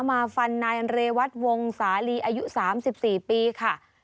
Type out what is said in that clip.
มาฟันนายเรวัตวงสาลีอายุ๓๔ปีค่ะ